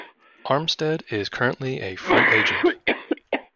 Armstead is currently a free-agent.